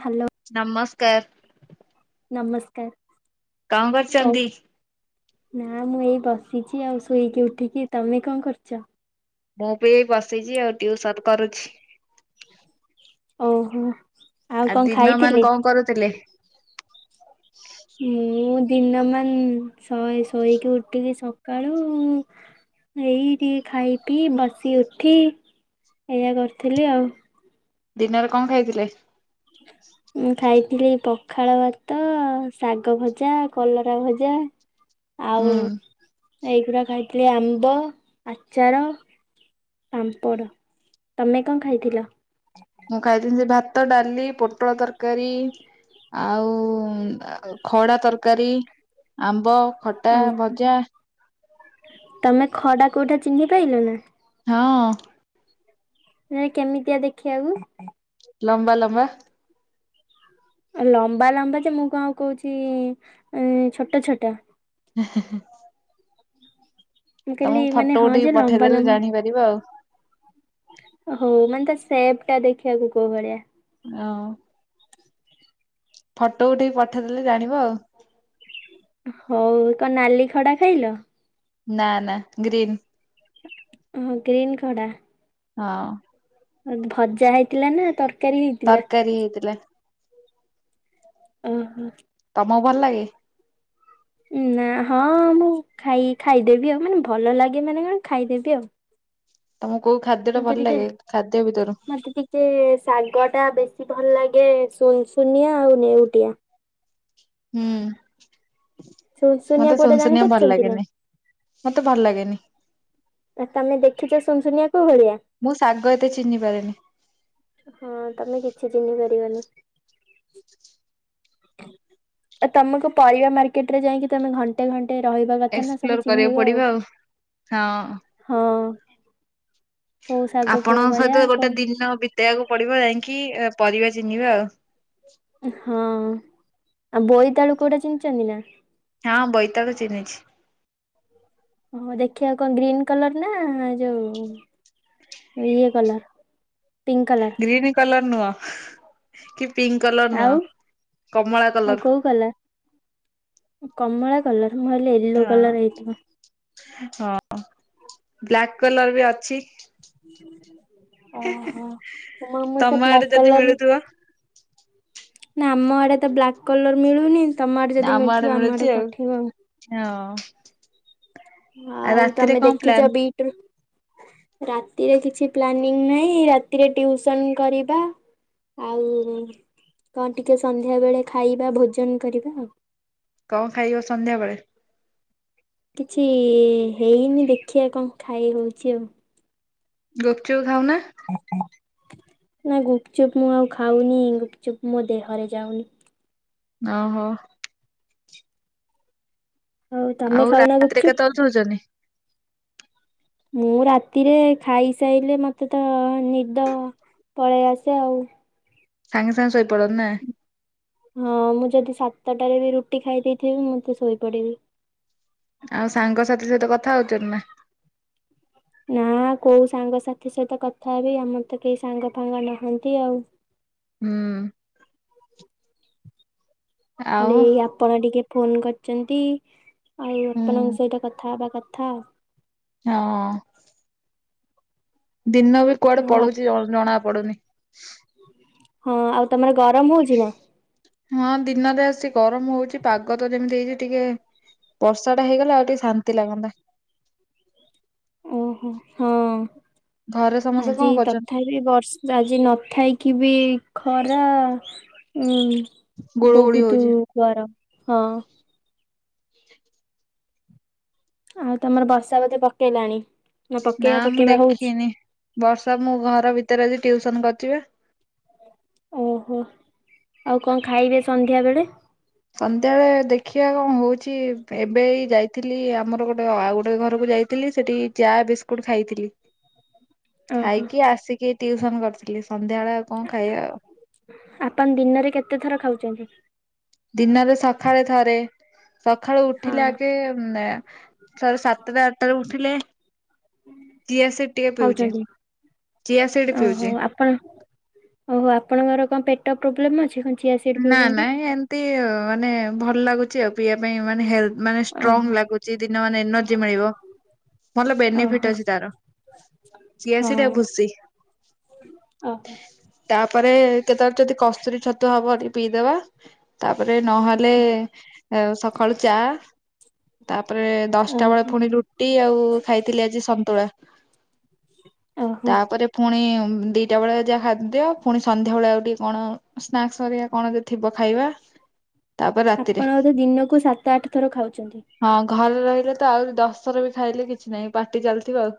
Hello. ନମସ୍କାର। ନମସ୍କାର। କଅଁ କଣ କରଚନ୍ତି? ନା ମୁଁ ଏଇ ବସିଛି ଆଉ ଶୋଇକି ଉଠିକି ତମେ କଅଁ କରୁଛ? ମୁଁ ବି ଏଇ ବସିଛି ଆଉ ଟିଉସନ କରୁଛି। ଓହୋ। ଆଉ କଣ ଦିନ ମାନ ଖାଇଥିଲେ? କଆ ଅଁ କରୁଥିଲେ? ମୁଁ ଦିନ ମାନ ଶୋ ଶୋଇକି ଉଠିଲି ସକାଳୁ ଏଇ ଟିକେ ଖାଇ ପିଇ ବସି ଉଠି ଏଇଆ କରୁଥିଲି ଆଉ। ଦିନରେ କଅଁ ଖାଇଥିଲେ? ମୁଁ ଖାଇଥିଲି ପଖାଳ ଭାତ ଶାଗ ଭଜା କଲରା ଭଜା ଆଉ ହୁଁ ଏଇଗୁଡା ଖାଇଥିଲି ଆମ୍ବ ଆଚାର। ପାମ୍ପଡ଼ ତମେ କଅଁ ଖାଇଥିଲ? ମୁଁ ଖାଇଥିଲି ଭାତ ଡାଲି ପୋଟଳ ତରକାରୀ। ଆଉ ଖଡ଼ା ତରକାରୀ ଆମ୍ବ ଖଟା ଆଉ ଭଜା ତମେ ଖଡା କୋଉଟା ଚିହ୍ନି ପାଇଲ ନା। ହଁ। ସେ କେମିତିଆ ଦେଖିବାକୁ? ଲମ୍ବା ଲମ୍ବା। ଲମ୍ବା ଲମ୍ବାଯେ ମୁଁ କଣ କହୁଚି ଉଁ ଛୋଟ ଛୋଟ। [inaudible] ମୁଁ ଖାଲି ତମକୁ ମାନେ ଫଟୋ ଉଠେଇକି ହଁଯେ ଲମ୍ବା ପଠେଇଦେଲେ ଲମ୍ ଜାଣିପାରିବ ଆଉ ହଉ ମାନେ ତାସେପ୍ ଟା ଦେଖିବାକୁ କୋଉ ଭଳିଆ? ଆଉ? ଫଟୋ ଉଠେଇକି ପଠେଇଦେଲେ ଜାଣିବ ଆଉ। ହଉ କଣ ନାଲି ଖଡ଼ା ଖାଇଲ? ନା ନା ଗ୍ରୀନ୍। ଓହୋ ଗ୍ରୀନ୍ ଖଡ଼ା। ହଁ। ଭଜା ହେଇଥିଲାନା ତର ତରକାରୀ ହେଇଥିଲା। ଓହୋ। ତମକୁ ଭଲ ଲାଗେ? ନା ହଁ ମୁଁ ଖାଇ ଖାଇଦେବି ଆଉ ମାନେ ଭଲ ଲାଗେ ମାନେ କଣ ଖାଇଦେବି ଆଉ। ତମକୁ କୋଉ ଖାଦ୍ୟଟା ଭଲ ଲାଗେ ଖାଦ୍ୟ ଭିତରୁ? ତେ ଶାଗଟା ବେଶୀ ଭଲ ଲାଗେ ସୁନ୍ ସୁନିଆ ଆଉ ନେଉଟିଆ। ହୁଁ ସୁନସୁନିଆ ମତେ କୋଉଟା ସୁନ୍ ସୁନିଆ ଭଲ ଜାଣିପାରୁଛନ୍ତି ନା ଲଗେନି। ମତେ ଭଲ ଲାଗେନି। ଆ ତମେ ଦେଖିଚ ସୁୁନସୁନିଆ କୋଉ ଭଳିଆ? ମୁଁ ଶାଗ ଏତେ ଚିହ୍ନି ପାରିନି। ଅଁ ହଁ ତମେ କିଛି ଚିହ୍ନିପାରିବନି। ଆ ତମକୁ ପରିବା ମାର୍କେଟରେ ଯାଇକି ତମେ ଘଣ୍ଟ ଏକ୍ସପ୍ଲୋର କରିବାକୁ ପଡ଼ିବ ଆଉ ହଁ। ହଁ କୋଉ ଶାଗ କୋଉ ଆପଣଙ୍କ ଭଳିଆ ସହିତ ଗୋଟେ କଣ ଦିନ ବି ତେଇବାକୁ ପଡ଼ିବ ଯାଇଁକି ପରିବା ଚିହ୍ନିବା ଆଉ। ହଁ ଆଉ ବୋଇତାଳୁ କୋଉଟା ଚିିନିଚନ୍ତିନା? ହଁ ବୈତାଳୁ ଚିହ୍ନିଛି। ହଁ ଦେଖିବା କଣ ଗ୍ରୀନ କଲରନା ଯୋଉ ଇଏ colour pink colour? Green colour ନୁହ କି ପିଙ୍କ କଲର ନୁହ କମଳା କଲର। ଗଲା କମଳା କଲର ମୁଁ ଭାବିଲି ଏ ହଁ ହଁ ବ୍ଲାକ୍ କଲରବି ଅଛି। ଓହୋ ତମ ଆମସେ ଆଡେ ବ୍ଲାକ୍ ଯଦି କଲର ମିଳୁଥିବ। ନା ଆମ ଆଡ଼େତ ବ୍ଲାକ୍ କଲର ମିଳୁନି ତମ ଆଡ଼େ ଯଦି ମିଳୁଥିବ ଆମ ଆଡ଼େ ପଠେଇବ ଆଉ। ହଁ ଆ ଆଉ ରାତିରେ ତମେ କଣ ଦେଖିଛ ପ୍ଲାନ୍? ବିଟ ରାତିରେ କିଛି ପ୍ଲାନିଂ ନାହିଁ ରାତିରେ ଟିଉସନ୍ କରିବା ଆଉ କଣ ଟିକେ ସନ୍ଧ୍ୟା ବେଳେ ଖାଇବା ଭୋଜନ କରିବା ଆଉ। କଣ ଖାଇବ ସନ୍ଧ୍ୟାବେଳେ? କିଛି ହେଇନି ଦେଖିବା କଣ ଖାଇ ହଉଚି ଆଉ। ଗୁପଚୁପ୍ ଖାଉନା। ନା ଗୁପଚୁପ୍ ମୁଁ ଆଉ ଖାଉନି ଗୁପଚୁପ୍ ମୋ ଦେହରେ ଯାଉନି। ଓହୋ। ତମେ ଆଉ ଖାଉନା ରାତିରେ ଗୁପଚୁପ୍? କେତେବେଳେ ଶଉଛନ୍ତି? ମୁଁ ରାତିରେ ଖାଇସାଇଲେ ମତେ ତ ନିଦ ପଳେଇ ଆସେ ଆଉ। ସାଙ୍ଗେ ସାଙ୍ଗେ ଶୋଇପଡ ନା। ହଁ ମୁଁ ଯଦି ସାତଟାରେ ବି ରୁଟି ଖାଇ ଦେଇେଇଥିବି ମୁଁ ତ ଶୋଇପଡିବି। ଆଉ ସାଙ୍ଗସାଥି ସହିତ କଥା ହଉଛନ୍ତି ନା। ନା କୋଉ ସାଙ୍ଗସାଥି ସହିତ କଥା ହେବି ଆମର ତ କେହି ସାଙ୍ଗ ଫାଙ୍ଗ ନହାନ୍ତି ଆଉ। ହୁଁ। ଆଉ ଖାଲି ଆପଣ ଟିକେ ଫୋନ୍ କରିଚନ୍ତି ଆଉ ଆପଣଙ୍କ ସହିତ କଥା ହେବା କଥା। ହଁ। ଦିନ ବେଳ କୁଆଡେ ଆଉ ଆ- ପଳଉଚି ଜଣା ପଡୁନି। ହଁ ଆଉ ତମର ଗରମ ହଉଛି ନା। ହଁ ଦିନରେ ଆସି ଗରମ ହଉଛି ପାଗ ତ ଯେମିତି ହେଇଛି ଟିକେ ବର୍ଷା ଟା ହେଇଗଲେ ଆଉ ଟିକେ ଶାନ୍ତି ଲାଗନ୍ତା। ଓହୋ ହଁ ଘରେ ସମସ୍ତେ ଆଜି କଣ କରୁଛନ୍ତି ତଥାପି ବର୍ଷ ଆଜି ନଥାଇକି ବି ଖରା ଉ ଗୁଳୁ ଗୁଳି ବହୁତୁ ହଉଛି ଗରମ ହଁ। ଆଉ ତମର ବର୍ଷା ବୋଧେ ପକେଇଲାଣି ନା ପକେଇବା ମୁଁ ପକେଇବା ହଉଛି। ଦେଖିନି ବର୍ଷା ମୁଁ ଘର ଭିତରେ ଆଜି ଟିଉସନ କରୁଥିବେ। ଓହୋ ଆଉ କଣ ଖାଇବେ ସନ୍ଧ୍ୟା ବେଳେ। ସନ୍ଧ୍ୟାବେଳେ ଦେଖିଆ କଣ ହଉଛି ଏବେ ଏଇ ଯାଇଥିଲି ଆମର ଗୋଟେ ଆଉ ଗୋଟେ ଘରକୁ ଯାଇ ଥିଲି ସେଠି ଚା ବିସ୍କୁଟ ଖାଇଥିଲି। ଓହୋ ଖାଇକି ଆସିକି ଟିୟୁସନ କରିଥିଲି ସନ୍ଧ୍ୟାବେଳେ ଆଉ କଣ ଖାଇବା ଆଉ। ଆପନ ଦିନରେ କେତେ ଥର ଖାଉଚନ୍ତି? ଦିନରେ ସଖାଳେ ଥରେ ସଖାଳୁ ହଁ ଉଠିଲେ ଆଗେ ଉଁ ନା ତାରେ ସାତଟା ଆଟା ରେ ଉଠିଲେ ଚିଆ ସେଟ୍ ଟେ ପିଉଚି ଖାଉଛନ୍ତି ଚିଆ ସେଟ୍ ପିଉଚି। ପଲ୍ ଓହୋ ଆପଣଙ୍କର କଣ ପେଟ ପ୍ରୋବ୍ଲେମ୍ ଅଛି କି। ନା ନାଇ ଏମିତି ମାନେ ଭଲ ଲାଗୁଚି ଆଉ ପିଇବା ପାଇଁ ମାନେ ହେଲ ମାନେ ଓହୋ ଷ୍ଟ୍ରଙ୍ଗ ଲାଗୁ ଚି ଦିନ ମାନେ ଏନର୍ଜି ମିଳିବ। ଭଲ ବେନିଫିଟ୍ ଓହୋ ଅଛି ତାର ଚିଆ ହଁ ସିଟ୍ ଆଉ ଭୁସି। ଓହୋ। ତାପରେ କେତେବେଳେ ଯଦି କସ୍ତୁରୀ ଛତୁ ହବ। ଟି ପିଇଦବା ତାପରେ ନହେଲେ ସଖାଳୁ ଚା ତାପରେ ଦଶଟା ବେଳେ ଓହୋ ଫୁଣି ରୁଟି ଆଉ ଖାଇଥିଲି ଆଜି ସନ୍ତୁଳା। ଓହୋ ତାପରେ ଫୁଣି ଦିଟା ବେଳେ ଯାହା ଦିଅ ଫୁଣି ସନ୍ଧ୍ୟା ବେଳେ ଆଉ ଟିକେ କଣ ସ୍ନାକ୍ସ ହାରିକା କଣ ଯେ ଥିବ ଖାଇବା? ତାପରେ ରାତିରେ ଆପଣ ବୋଧେ ଦିନକୁ ସାତ ଆଠ ଥର ଖାଉଛନ୍ତି। ହଁ ଘରେ ରହିଲେ ତ ଆହୁରି ଦଶଥର ବି ଖାଇଲେ କିଛି ନାହିଁ ପାଟି ଚାଲିଥିବ ଆଉ।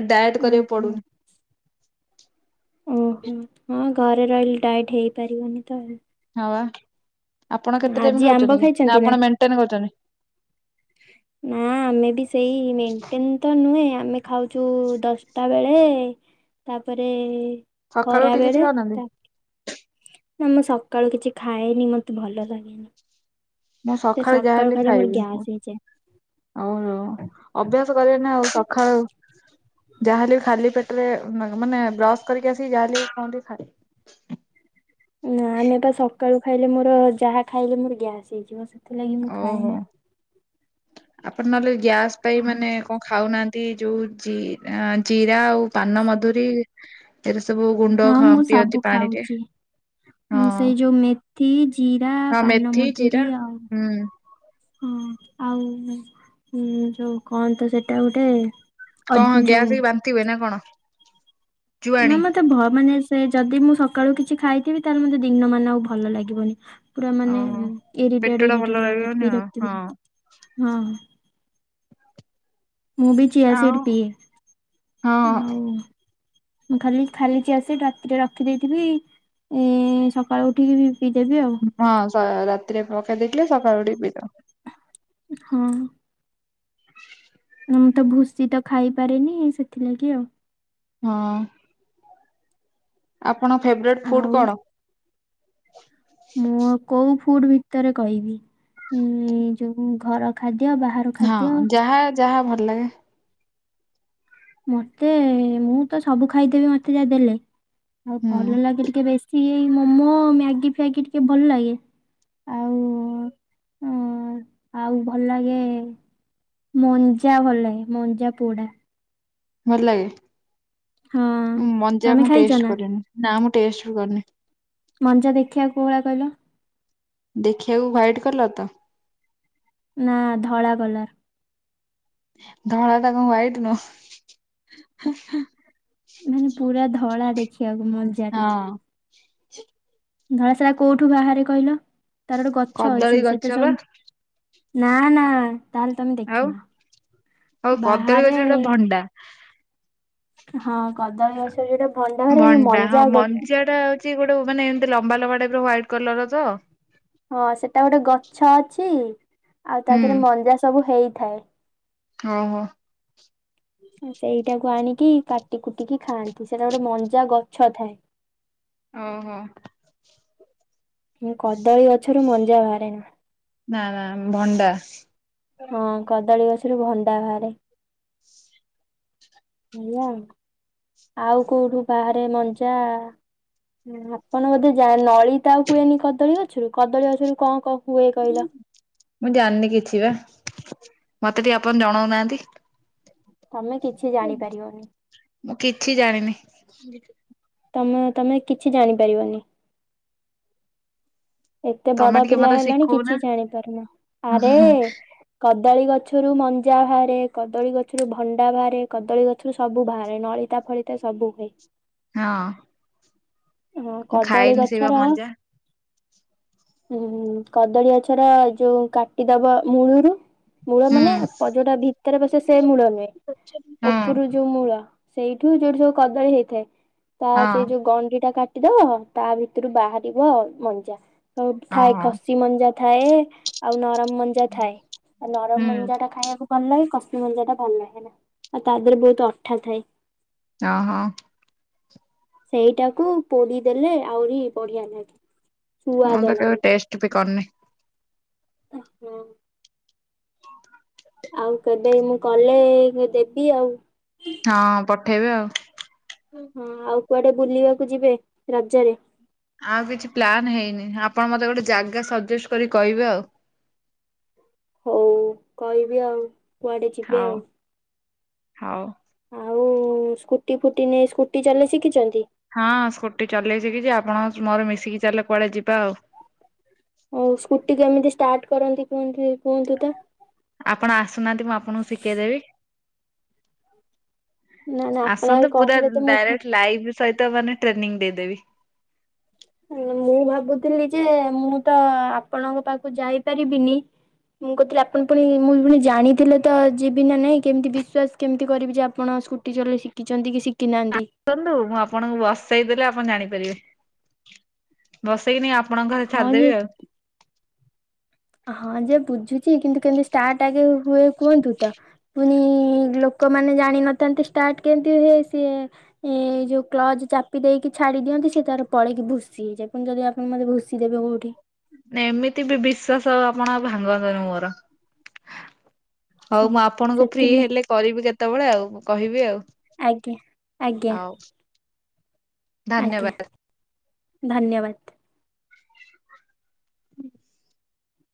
ଆଉ ଡାଏଟ୍ କରିବାକୁ ଓହୋ ପଡୁନି। ଓହୋ ହଁ ଘରେ ରହିଲି ଡାଇଟ୍ ହେଇପାରିବନି ତ ଆଉ। ହଁ ବା ଆପଣ କେତେ ଟାଇମ୍ ଆଜି ଆମ୍ବ ଖାଉଚନ୍ତି ନା ଖାଇଛନ୍ତି ଆପଣ ମେଣ୍ଟେନ କରୁଚନ୍ତି। ନା ଆମେ ବି ସେଇ ମେଣ୍ଟେନ ତ ନୁହେଁ ଆମେ ଖାଉଚୁ ଦଶଟା ବେଳେ ତାପରେ ସକାଳୁ ଖରା ଉଠି କିଛି ବେଳେ ଖାଉନାହାନ୍ତି ତା ନା ମୁଁ ସକାଳୁ କିଛି ଖାଏନି ମୋତେ ଭଲ ଲାଗେନି। ମୁଁ ସେ ସଖଳେ ଯାହାହେଲେ ସକାଳୁ ବି ଖାଇଲେ ମୋର ଖାଇବି ମୁଁ। ଗ୍ୟାସ୍ ହେଇଯାଏ। ଓହୋ ଅଭ୍ୟାସ କରିବେ ନା ଆଉ ସଖାଳୁ ଯାହାହେଲେ ବି ଖାଲି ପେଟରେ ମାନେ ବ୍ରସ୍ କରିକି ଆସି ଯାହାହେଲେ ବି କଣ ଟିକେ ଖାଇବେ। ହ [inaudible] ନା ଆମେ ପା ସକାଳୁ ଖାଇଲେ ମୋର ଯାହା ଖାଇଲେ ମୋର ଗ୍ୟାସ୍ ହେଇଯିବ ସେଥିଲାଗି ମୁଁ ଖାଏ ଓହୋ ନା। ଆପଣ ନଲେ ଗ୍ୟାସ୍ ପାଇଁ ମାନେ କଣ ଖାଉନାଆନ୍ତି। ତି ଯୋଉ ଜିରା ଜିରା ଆଉ ପାନ ମଧୁରୀ ଏରା ସବୁ ଗୁଣ୍ଡ ହଁ ଖ ମୁଁ ସବୁ ପିଅନ୍ତି ପାଣିରେ। ଖାଉଛି। ମୁଁ ହଁ ସେଇ ଯୋଉ ମେଥି ଜିରା ହଁ ମେଥି ପାନମଧୁରୀ ଜିରା ଆଉ ହୁଁ ହଁ ଆଉ ଯୋଉ କଅନ୍ତ ସେଟା ଗୋଟେ ଅ କଣ ଯୋଉ ଗ୍ୟାସ ହେଇ ବାନ୍ତି ହୁଏ ନା କଣ? ନା ଜୁଆଣି ମତେ ଭ ମାନେସ୍ ସେ ଯଦି ମୁଁ ସକାଳୁ କିଛି ଖାଇଥିବି ତାଲେ ମତେ ଦିନ ମାନ ଆଉ ଭଲ ଲାଗିବନି। ପୁରା ମାନେ ଓହୋ। ପେଟ ଇରିଟେଡ ଟା ଭଲ ଇରିଟେଡ ଲାଗିବ ରହିବନି ଆଉ ବିରକ୍ତି ହଁ ପୁରା ହଁ। ମୁଁ ବି ଚିଆ ଆଉ ସିଡ଼ ପିଏ ହଁ ଆଉ ମୁଁ ଖାଲି ଖାଲି ଚିଆ ସିଡ ରାତିରେ ରଖିଦେଇଥିବି ଏ ସକାଳୁ ଉଠିକି ବି ପିଇଦେବି ଆଉ। ହଁ ସ ରାତିରେ ପକେଇ ଦେଇଥିଲେ ସକଳୁ ଉଠିକି ପିଦବ। ହଁ। ମୁଁ ତ ଭୁସି ତ ଖାଇପାରେନି ସେଥିଲାଗି ଆଉ। ହଁ। ଆପଣ ଫେବ୍ରେଟ୍ ଫୁଡ୍ ଆଉ କଣ? ମୁଁ କୋଉ ଫୁଡ ଭିତରେ କହିବି ମୁଁ ଯୋଉ ଘର ଖାଦ୍ୟ ବାହାର ହଁ ଖାଦ୍ୟ ଯାହା ଯାହା ଭଲ ଲାଗେ ମତେ ମୁଁ ତ ସବୁ ଖାଇଦେବି ମତେ ଯାହା ଦେଲେ ଆଉ ହୁଁ ଭଲ ଲାଗେ ଟିକେ ବେଶୀ ଇ ସେଇ ମୋମୋ ମ୍ୟାଗି ଫ୍ୟାଗି ଟିକେ ଭଲ ଲାଗେ। ଆଉ ଅ ଆଉ ଭଲ ଲାଗେ ମଞ୍ଜା ଭଲ ଲାଗେ ମଞ୍ଜା ପୋଡା। ଭଲ ଲାଗେ ହଁ ମଞ୍ଜା ତମେ ମୁଁ ଖାଇଛ ନା? କରିନି ନା ମୁଁ ଟଷ୍ଟ ବି କରିନି। ମଞ୍ଜା ଦେଖିବାକୁ କୋଉ ଭଳିଆ କହିଲ? ଦେଖିବାକୁ ହୁଆଟ୍ କଲର୍ ତ। ନା ଧଳା କଲର୍। ଧଳା ଟା କଣ ହୁଆଟ୍ ନୁହଁ। ମାନେ ପୁରା ଧଳା ଦେଖିବାକୁ ମଜା ଟା ନୁହଁ। ଧଳା ସାରା କୋଉଠୁ ବାହାରେ କହିଲ ତାର ଗୋଟେ ଗଛ ଅଛି କଦଳୀ ସେଥିରେ ବା ସବୁ ନା ନା ତାହେଲେ ତମେ ଆଉ ଦେଖିନ ବାହାରେ ହୁଣ୍ଡା। ହଁ କଦଳୀ ଗଛ ଯୋଉଟା ଭଣ୍ଡା ଭରେ ମଞ୍ଜା ଗୋଟେ ଏଟା ହଉଛି ଗୋଟେ ମାନେ ଏମତି ଲମ୍ବା ଲମ୍ବା ଟାଇପ ର ହ୍ୱାଇଟ କଲର ର ତ। ହଁ ସେଟା ଗୋଟେ ଗଛ ଅଛି ଆଉ ତା ହୁଁ ଦେହରେ ମଞ୍ଜା ସବୁ ହେଇଥାଏ। ଓହୋ। ସେଇଟାକୁ ଆଣିକି କାଟି କୁଟିକି ଖାଆନ୍ତି ସେଇଟା ଗୋଟେ ମଞ୍ଜା ଗଛ ଥାଏ। ଓହୋ। ମୁଁ କଦଳୀ ଗଛରୁ ମଞ୍ଜା ବାହାରେ ନା। ନାଁ ନାଁ ଭଣ୍ଡା। ହଁ କଦଳୀ ଗଛରୁ ଭଣ୍ଡା ବାହାରେ। ଆଉ କୋଉଠୁ ବାହାରେ ମଞ୍ଜା ହୁଁ ଆପଣ ବୋଧେ ଯା ନଳିତା ଆଉ ହୁଏନି କଦଳୀ ଗଛରୁ କଦଳୀ ଗଛରୁ କଣ କଣ ହୁଏ କହିଲ? ମୁଁ ଜାଣିନି କିଛି ବା ମତେ ଟିକେ ଆପଣ ଜଣାଉନାହାନ୍ତି। ତମେ କିଛି ଜାଣିପାରିବନି। ମୁଁ କିଛି ଜାଣିନି। ତମ ତମେ କିଛି ଜାଣିପାରିବନି। ଏତେ ତମେ ବଡ ଟିକେ ପିଲା ମତେ ହେଲାଣି ଶିଖଉନା। କିଛି ଜାଣି ପାରୁନ ଆରେ କଦଳୀ ଗଛରୁ ମଞ୍ଜା ବାହାରେ କଦଳୀ ଗଛରୁ ଭଣ୍ଡା ବାହାରେ କଦଳୀ ଗଛରୁ ସବୁ ବାହାରେ ନଳିତା ଫଳି ତେ ସବୁ ହୁଏ। ହଁ। ହଁ ମୁଁ କଦଳୀ ଖାଇନି ସେଇ ବା ଗଛର ମଞ୍ଜା ଉୁଁ କଦଳୀ ଗଛର ଯୋଉ କାଟିଦବା ମୂଳୁରୁ ମୂଳ ହୁଁ ମାନେ ପ ଯୋଉଟା ଭିତରେ ବସେ ସେ ମୂଳ ନୁହେଁ ହଁ ଉପରୁ ଯୋଉ ମୂଳ ସେଇଠୁ ଯୋଉଠି ଯୋଉ କଦଳୀ ହେଇଥାଏ ତା ହଁ ସେଇ ଯୋଉ ଗଣ୍ଡି ଟା କା କାଟିଦବ ତା ଭିତରୁ ବାହାରିବ ମଞ୍ଜା ତ ଥାଏ ଓହୋ। ଖସ ଚି ମଞ୍ଜା ଥାଏ ଆଉ ନରମ ମଞ୍ଜା ଥାଏ ନରମ ହୁଁ ମଞ୍ଜା ଟା ଖାଇବାକୁ ଭଲ ଲାଗେ କସି ମଞ୍ଜା ଟା ଭଲ ଲାଗେ ନା ଆଉ ତା ଦେରେ ବହୁତ୍ ଅଠା ଥାଏ। ଅଁ ହଁ। ସେଇଟାକୁ ପୋଡ଼ି ଦେଲେ ଆହୁରି ବଢ଼ିଆ ଲାଗେ। ମୁଁ ସୁଆଦ ତ କେବେ ଲାଗେ। ଟେଷ୍ଟ ବି କରି ନିହି। ଓହୋ। ଆଉ କେବେ ମୁଁ କଲେ ଦେବି ଆଉ। ହଁ ପଠେଇବେ ଆଉ। ହଁ ଆଉ କୁଆଡେ ବୁଲିବାକୁ ଯିବେ ରଜରେ? ଆଉ କିଛି ପ୍ଲାନ୍ ହେଇନି ଆପଣ ମତେ ଗୋଟେ ଜାଗା ସଜେଷ୍ଟ କରି କହିବେ ଆଉ। ହଉ କହିବି ଆଉ କୁଆଡେ ଯିବେ ହଉ ଆଉ। ହଉ। ଆଉ ସ୍କୁଟି ଫୁଟି ନେଇ ସ୍କୁଟି ଚଲେଇ ଶିଖିଛନ୍ତି। ହଁ ସ୍କୁଟି ଚଲେଇ ଶିକିିଛି ଆପଣ ମୋର ମିଶିକି ଚାଲ କୁଆଡେ ଯିବା ଆଉ। ଆଉ ସ୍କୁଟି କେମିତି ଷ୍ଟାର୍ଟ କରନ୍ତି କୁହନ୍ତି କୁହନ୍ତି ତ। ଆପଣ ଆସୁନାହାନ୍ତି ମୁଁ ଆପଣଙ୍କୁ ଶିଖେଇ ଦେବି। ନା ନା ଆପଣ ଆଗେ ଆସନ୍ତୁ ପୁରା କହିଲେ ତ ମୁଁ ଡାଇରେକ୍ଟ ଲାଇଭ୍ ସହିତ ମାନେ ଟ୍ରେନିଂ ଦେଇଦେବି। ମୁଁ ଭାବୁଥିଲି ଯେ ମୁଁ ତ ଆପଣଙ୍କ ପାଖକୁ ଯାଇପାରିବିନି ମୁଁ କହୁଥିଲି ଆପଣ ପୁଣି ମୁଁ ପୁଣି ଜାଣିଥିଲେ ତ ଯିବି ନା ନାଇଁ କେମିତି ବିଶ୍ଵାସ କେମିତି କରିବି ଯେ ଆପଣ ସ୍କୁଟ୍ ଟି ଚଲେଇ ଶିଖିଛନ୍ତି କି ଶିଖିନାହାନ୍ତି। କୁନ୍ତୁ ମୁଁ ଆପଣଙ୍କୁ ବସାଇ ଦେଲେ ଆପଣ ଜାଣିପାରିବେ। ବସେଇକିନି ଆପଣଙ୍କ ଘରେ ହଁ ଛାଡି ଯେ ଦେବି ଆଉ। ହଁ ଯେ ବୁଝୁଛି କିନ୍ତୁ କେମିତି ଷ୍ଟାର୍ଟ ଆଗେ ହୁଏ କୁହନ୍ତୁ ତ। ପୁଣି ଲୋକମାନେ ଜାଣିନଥାନ୍ତେ ଷ୍ଟାର୍ଟ କେମତି ହୁଏ ସିଏ ଏ ଯୋଉ କ୍ଲଜ ଚାପି ଦେଇକି ଛାଡି ଦିଅନ୍ତି ସେ ତାର ପଳେଇକି ଭୁସି ହେଇଯାଏ କିନ୍ତୁ ଯଦି ଆପ୍ ମତେ ଭୁସି ଦେବେ କୋଉଠି। ଏମିତି ବି ବିଶ୍ଵାସ ଆଉ ଆପଣ ଆଉ ଭାଙ୍ଗନ୍ତୁନି ମୋର। ହଉ ସେ ମୁଁ ଆପଣଙ୍କୁ ଫ୍ରି ସେଥିଲାଗି ହେଲେ କରିବି କେତେବେଳେ ଆଉ କହିବି ଆଉ। ଆଜ୍ଞା ଆଜ୍ଞା। ହଉ ଧନ୍ୟବାଦ। ଆଜ୍ଞା ଧନ୍ୟବାଦ।